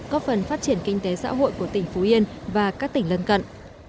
có phần phát triển kinh tế xã hội của tỉnh phú yên và các tỉnh lân cận